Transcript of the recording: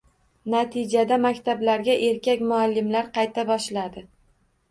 Natijada maktablarga erkak muallimlar qayta boshladi.